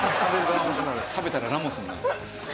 食べたらラモスになる。